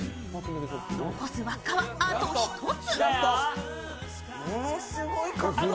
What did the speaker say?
残す輪っかはあと１つ。